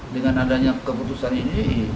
dengan adanya keputusan ini